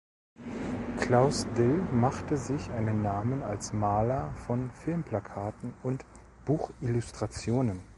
Klaus Dill machte sich einen Namen als Maler von Filmplakaten und Buchillustrationen.